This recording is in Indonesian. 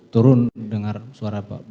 turun dengar suara bapak sambo